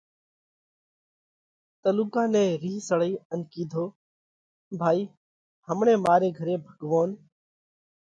تلُوڪا نئہ رِينه سڙئِي ان ڪِيڌو: ڀائِي همڻئہ ماري گھري ڀڳوونَ